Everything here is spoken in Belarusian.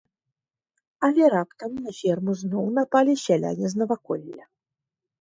Але раптам на ферму зноў напалі сяляне з наваколля.